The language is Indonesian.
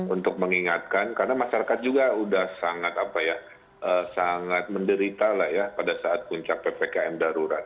untuk mengingatkan karena masyarakat juga sudah sangat menderita pada saat puncak ppkm darurat